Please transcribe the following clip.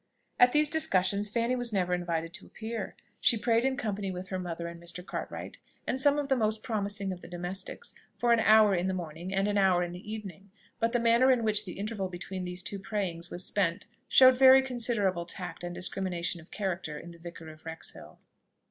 At these discussions Fanny was never invited to appear. She prayed in company with her mother and Mr. Cartwright, and some of the most promising of the domestics, for an hour in the morning and an hour in the evening; but the manner in which the interval between these two prayings was spent showed very considerable tact and discrimination of character in the Vicar of Wrexhill.